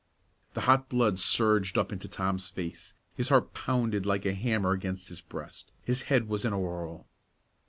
The hot blood surged up into Tom's face, his heart pounded like a hammer against his breast, his head was in a whirl.